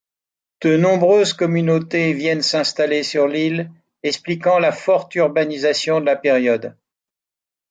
De nombreuses communautés viennent s’installer sur l’île, expliquant la forte urbanisation de la période.